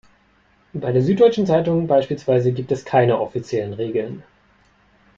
Bei der Süddeutschen Zeitung beispielsweise gibt es keine offiziellen Regeln.